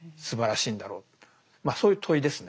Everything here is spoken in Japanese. まあそういう問いですね。